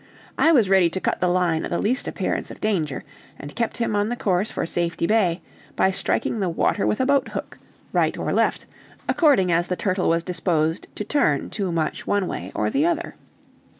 I was ready to cut the line on the least appearance of danger, and kept him on the course for Safety Bay by striking the water with a boat hook, right or left, according as the turtle was disposed to turn too much one way or the other.